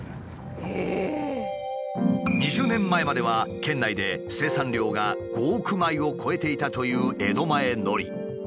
２０年前までは県内で生産量が５億枚を超えていたという江戸前のり。